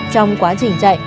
trong quá trình chạy